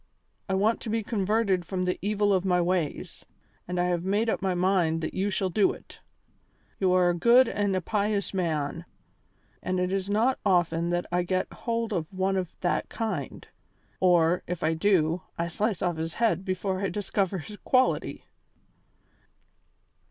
I want to be converted from the evil of my ways, and I have made up my mind that you shall do it. You are a good and a pious man, and it is not often that I get hold of one of that kind; or, if I do, I slice off his head before I discover his quality."